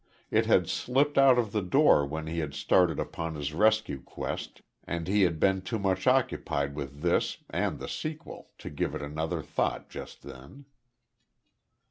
It had slipped out of the door when he had started upon his rescue quest, and he had been too much occupied with this and the sequel to give it another thought just then.